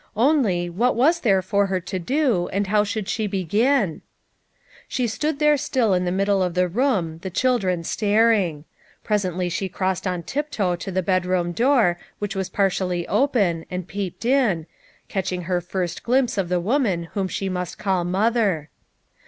Only, what was there for her to do, and how should she begin ? She stood there still in the middle of the room, the children staring. Presently she crossed on tiptoe to the bedroom door which was partly open and peeped in, catching her first glimpse of the woman whom she must call " mother."